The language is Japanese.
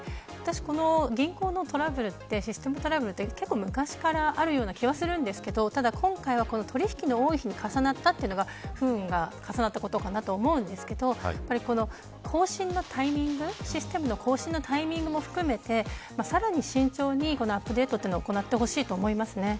銀行のシステムトラブルって結構昔からあるような気がするんですけど今回は、取引の多い日に重なったという不運が重なってしまいシステムの更新のタイミングも含めてさらに慎重にアップデートを行ってほしいと思います。